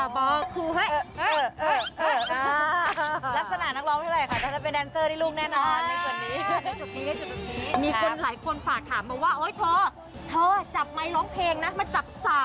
โหเหนื่อยเลยจ้า